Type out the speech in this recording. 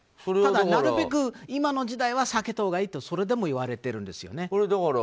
ただ、なるべく今の時代は避けたほうがいいとそれでも言われているんですよね。